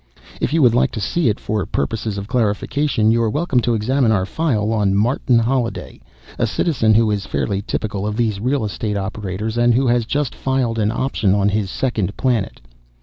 "If you would like to see it for purposes of clarification, you're welcome to examine our file on Martin Holliday, a citizen who is fairly typical of these real estate operators, and who has just filed an option on his second planet."